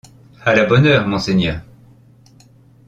À la bonne heure, monseigneur!